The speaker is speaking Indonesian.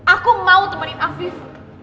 aku mau temanin afif